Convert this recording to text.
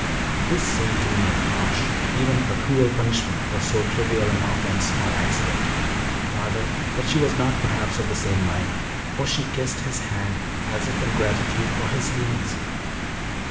This seemed to me a harsh, even a cruel punishment for so trivial an offense, or accident, rather; but she was not perhaps of the same mind, for she kissed his hand, as if in gratitude for his leniency.